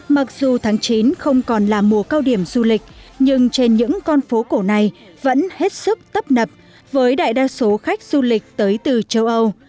mặc dù tháng chín không còn là mùa cao điểm du lịch nhưng trên những con phố cổ này vẫn hết sức tấp nập với đại đa số khách du lịch tới từ châu âu